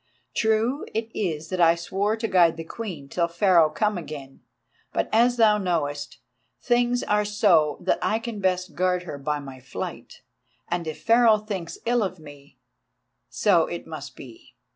True it is that I swore to guard the Queen till Pharaoh come again; but as thou knowest, things are so that I can best guard her by my flight, and if Pharaoh thinks ill of me—so it must be.